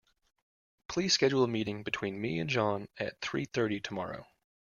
Please schedule a meeting between me and John at three thirty tomorrow.